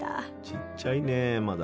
ちっちゃいねまだ。